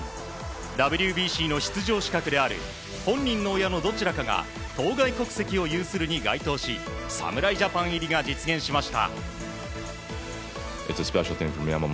ＷＢＣの出場資格である本人の親のどちらかが当該国籍を有するに該当し侍ジャパン入りが実現しました。